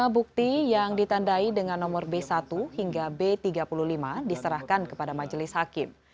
lima bukti yang ditandai dengan nomor b satu hingga b tiga puluh lima diserahkan kepada majelis hakim